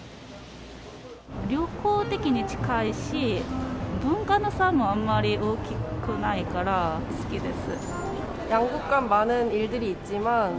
旅行的に近いし、文化の差もあんまり大きくないから、好きです。